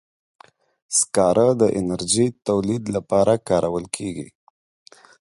سکاره د انرژي تولید لپاره کارول کېږي.